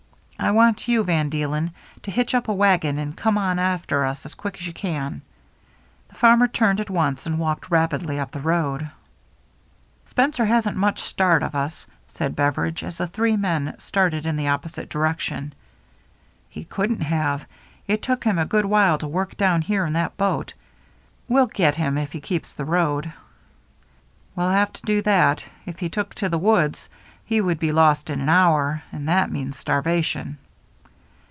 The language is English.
I want you, Van Deelen, to hitch up a wagon and come on after us as quick as you can." The farmer turned at once and walked rapidly up the road. " Spencer hasn't much start of us," said Beveridge, as the three men started in the opposite direction. " He couldn't have. It took him a good while to work down here in that boat. We'll get him if he keeps the road." " He'll have to do that. If he took to the woods, he would be lost in an hour — and that means starvation."